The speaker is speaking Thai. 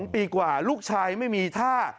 ๒ปีกว่าลูกชายไม่มีท่า